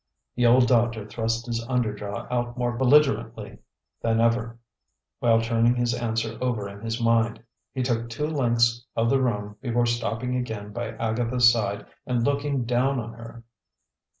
The old doctor thrust his under jaw out more belligerently than ever, while turning his answer over in his mind. He took two lengths of the room before stopping again by Agatha's side and looking down on her.